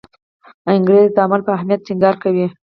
انګریز د عمل په اهمیت ټینګار کوي.